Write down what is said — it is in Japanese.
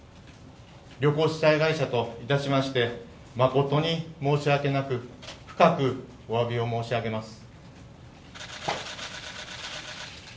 旅行主催会社といたしまして誠に申し訳なく、深くおわびを申し上げます。